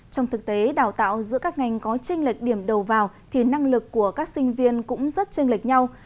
trong thực tế đào tạo giữa các ngành có tranh lệch điểm đầu vào thì năng lực của các sinh viên cũng rất tranh lệch nhau